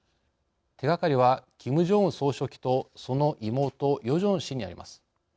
手がかりはキム・ジョンウン総書記とその妹ヨジョン氏にあります。